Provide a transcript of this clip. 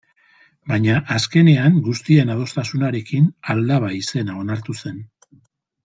Baina azkenean guztien adostasunarekin Aldaba izena onartu zen.